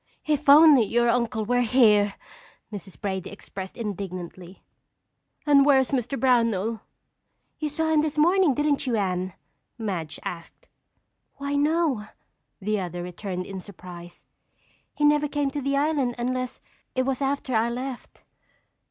"If only your uncle were here!" Mrs. Brady expressed indignantly. "And where is Mr. Brownell?" "You saw him this morning, didn't you, Anne?" Madge asked. "Why, no," the other returned in surprise. "He never came to the island unless it was after I left."